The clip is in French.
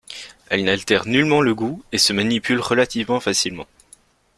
Elle n'altère nullement le goût et se manipule relativement facilement.